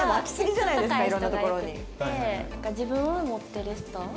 自分を持ってる人。